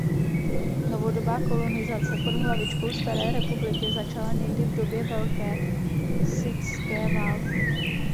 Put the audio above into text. Novodobá kolonizace pod hlavičkou staré Republiky začala někdy v době Velké sithské války.